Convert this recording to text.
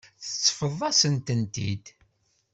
Teṭṭfeḍ-as-ten-id.